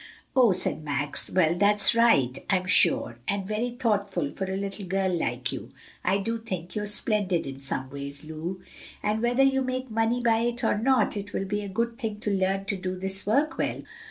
"Oh," said Max. "Well, that's right, I'm sure, and very thoughtful for a little girl like you. I do think you're splendid in some ways, Lu." "And whether you make money by it or not, it will be a good thing to learn to do this work well.